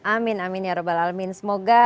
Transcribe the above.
amin amin ya rabbul alamin semoga